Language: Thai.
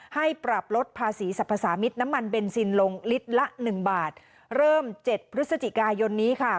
ให้ปรับลดภาษีสรรพสามิตรน้ำมันเบนซินลงลิตรละหนึ่งบาทเริ่มเจ็ดพฤศจิกายนนี้ค่ะ